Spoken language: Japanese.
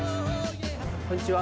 こんにちは。